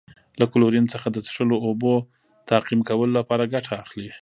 له کلورین څخه د څښلو اوبو تعقیم کولو لپاره ګټه اخلي.